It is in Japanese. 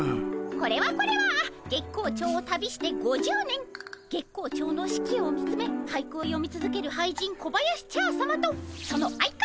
これはこれは月光町を旅して５０年月光町の四季を見つめ俳句をよみつづける俳人小林茶さまとその相方